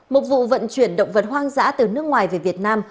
một vụ vận chuyển động vật hoang dã từ nước ngoài về việt nam